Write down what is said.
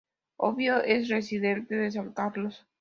Oviedo es residente de San Carlos.